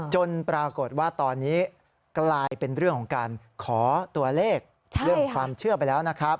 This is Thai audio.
จนปรากฏว่าตอนนี้กลายเป็นเรื่องของการขอตัวเลขเรื่องความเชื่อไปแล้วนะครับ